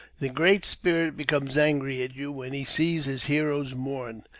The Great Spirit becomes angry at you when he sees his heroes mourn.